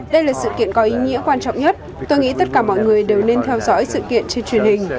đây là sự kiện có ý nghĩa quan trọng nhất tôi nghĩ tất cả mọi người đều nên theo dõi sự kiện trên truyền hình